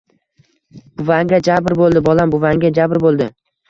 Buvangga jabr bo‘ldi, bolam, buvangga jabr bo‘ldi...